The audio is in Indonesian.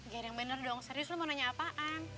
gir yang bener dong serius lo mau nanya apaan